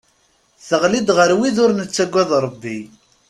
Teɣli-d ɣer wid ur nettagad Rebbi.